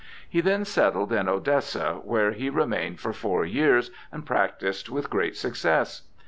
He then settled in Odessa, where he remained for four years and prac tised with great success.